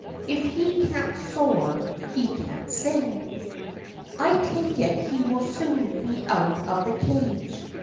If he can't soar, he can't sing." "I take it he will soon be out of the cage.